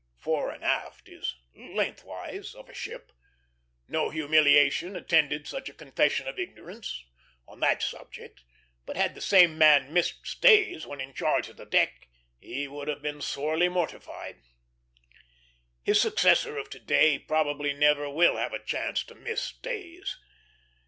Fore and aft is "lengthwise" of a ship. No humiliation attended such a confession of ignorance on that subject; but had the same man "missed stays" when in charge of the deck, he would have been sorely mortified. His successor of to day probably never will have a chance to miss stays.